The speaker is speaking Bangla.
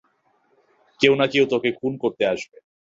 কেউ না কেউ তোকে খুন করতে আসবে।